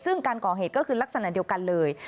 ซึ่งการก่อเหตุก็คือลักษณะเดียวกันเลย